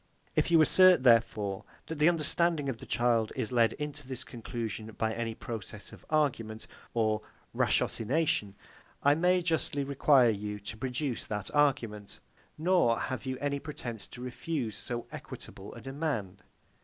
If you assert, therefore, that the understanding of the child is led into this conclusion by any process of argument or ratiocination, I may justly require you to produce that argument; nor have you any pretence to refuse so equitable a demand.